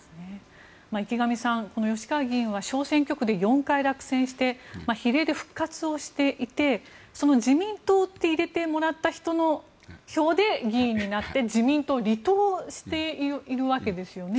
池上さん、吉川議員は小選挙区で４回落選して比例で復活をしていてその自民党と入れてもらった人の票で議員になって、自民党を離党しているわけですよね。